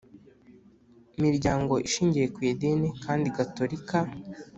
Miryango inshingiye ku idini kandi gatolika